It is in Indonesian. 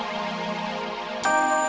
atas kejadian ini saja